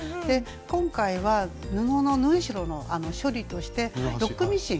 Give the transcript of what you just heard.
今回は布の縫い代の処理としてロックミシン。